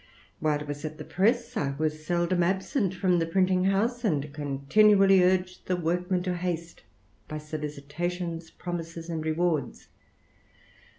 While i^ was at the press, I was seldom absent from the printing house, and continually urged the workmen to haste, by solicitations, promises, and rewards.